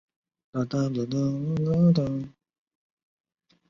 类似的情况也出现在很多其他化合物中。